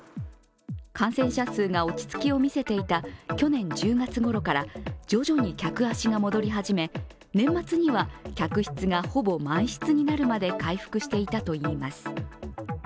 感染者数が落ち着きをみせていた去年１０月ごろから徐々に客足が戻り始め、年末には客室がほぼ満室になるまで回復していたといいます。